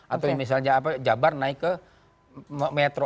atau misalnya jabar naik ke metro